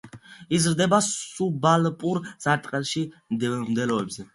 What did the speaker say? იზრდება სუბალპურ სარტყელში მდელოებზე.